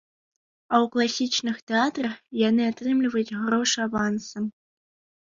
А ў класічных тэатрах яны атрымліваюць грошы авансам.